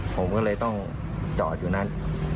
ผมก็เลยต้องจอดอยู่นั้น